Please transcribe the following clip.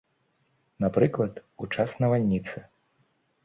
Напрыклад, у час навальніцы.